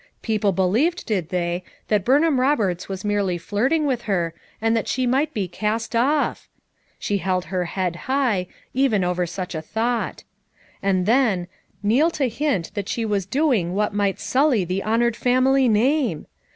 People believed, did they, that Burn ham Roberts was merely flirting with her, and that she might be "cast off"! She held her head high, even over such a thought. And then — Neal to hint that she was doing what might sully the honored family name!